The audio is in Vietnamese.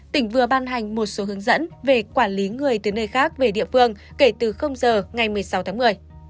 tỉnh vừa ban hành một số hướng dẫn về quản lý người từ nơi khác về địa phương kể từ giờ ngày một mươi sáu tháng một mươi